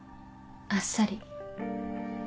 あっさり。